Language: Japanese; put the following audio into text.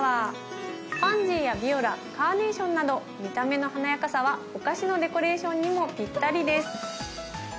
パンジーやビオラカーネーションなど見た目の華やかさはお菓子のデコレーションにもぴったりです。